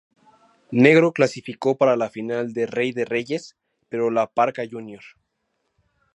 Negro clasificó para la final de Rey de Reyes, pero La Parka Jr.